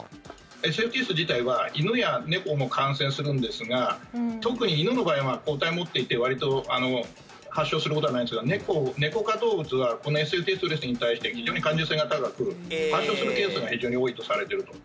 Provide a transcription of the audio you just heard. ＳＦＴＳ自体は犬や猫も感染するんですが特に犬の場合は抗体を持っていてわりと発症することはないんですけどネコ科動物はこのＳＦＴＳウイルスに対して非常に感受性が高く発症するケースが非常に多いとされていると。